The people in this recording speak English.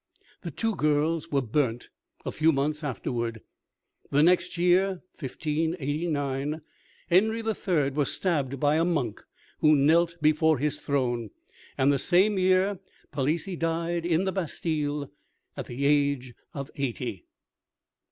The two girls were burnt a few months afterward. The next year, 1589, Henry III. was stabbed by a monk who knelt before his throne; and the same year, Palissy died in the Bastille, at the age of eighty.